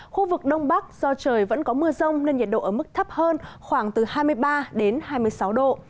khu vực đông bắc do trời vẫn có mưa rông nên nhiệt độ ở mức thấp hơn khoảng từ hai mươi ba đến hai mươi sáu độ